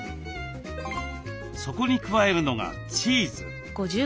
そこに加えるのがチーズ。